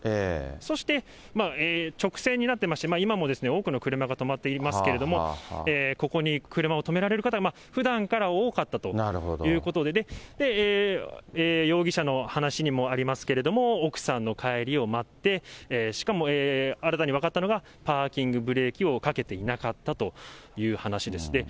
そして直線になってまして、今も多くの車が止まっていますけれども、ここに車を止められる方、ふだんから多かったということで、容疑者の話にもありますけれども、奥さんの帰りを待って、しかも新たに分かったのが、パーキングブレーキをかけていなかったという話です。